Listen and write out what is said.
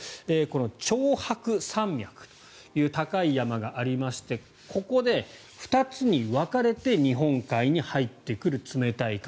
長白山脈という高い山がありましてここで２つに分かれて日本海に入ってくる冷たい風